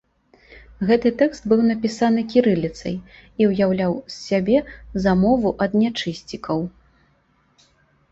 Гэты тэкст быў напісаны кірыліцай і ўяўляў з сябе замову ад нячысцікаў.